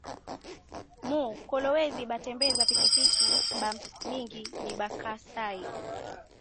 Mu kolwezi ba tembeza pikipiki ba mingi ni ba kasayi